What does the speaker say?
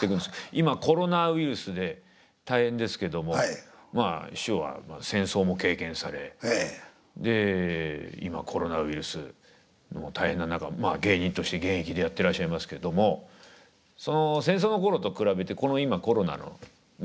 今コロナウイルスで大変ですけどもまあ師匠は戦争も経験されで今コロナウイルスの大変な中芸人として現役でやってらっしゃいますけどもその戦争の頃と比べてこの今コロナのまあ